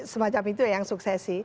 semacam itu yang suksesi